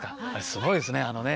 あれすごいですね。